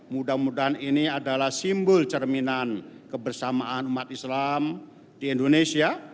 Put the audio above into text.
mudah mudahan ini adalah simbol cerminan kebersamaan umat islam di indonesia